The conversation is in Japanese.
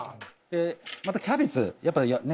またキャベツやっぱね